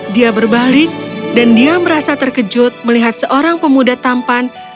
dia berbalik dan dia merasa terkejut melihat seorang pemuda tampan